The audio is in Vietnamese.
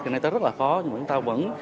hiện nay rất là khó nhưng chúng ta vẫn